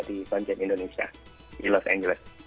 di bagian indonesia di los angeles